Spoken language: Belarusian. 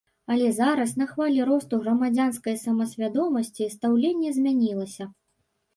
Але зараз на хвалі росту грамадзянскай самасвядомасці стаўленне змянілася.